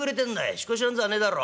引っ越しなんぞはねえだろう。